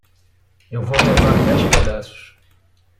Eu vou levar dez pedaços.